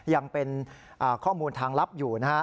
ยังเป็นข้อมูลทางลับอยู่นะฮะ